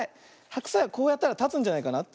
ハクサイはこうやったらたつんじゃないかな。